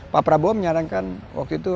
pak prabowo menyarankan waktu itu